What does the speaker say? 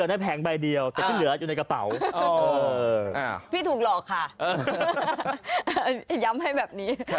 คนขายเป็นแบบนี้หรือถูกหลอกค่ะย้ำให้แบบนี้